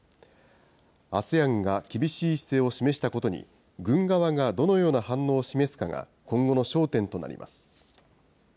ＡＳＥＡＮが厳しい姿勢を示したことに、軍側がどのような反応を示すかが、今後の焦点となります。